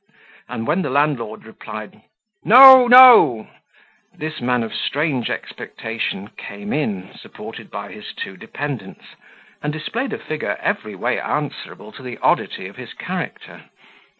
and when the landlord replied, "No, no," this man of strange expectation came in, supported by his two dependents, and displayed a figure every way answerable to the oddity of his character.